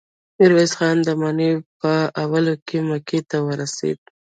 ميرويس خان د مني په اولو کې مکې ته ورسېد.